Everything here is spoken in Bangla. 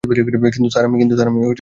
কিন্তু স্যার আমি- -- মিথ্যাবাদী!